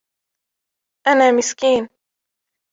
أنا مسكين.